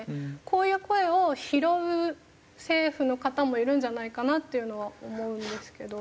こういう声を拾う政府の方もいるんじゃないかなっていうのは思うんですけど。